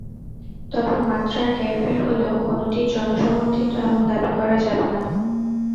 তবে মাত্রার হেরফের হলেও কোনোটিই জনসমর্থিত এমন দাবি করা যাবে না।